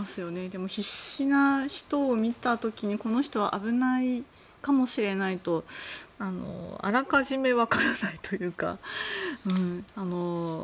でも、必死な人を見た時にこの人は危ないかもしれないとあらかじめ分からないというか。